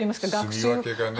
すみ分けがね。